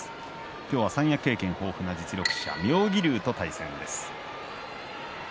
今日は三役経験豊富な実力者妙義龍との対戦です。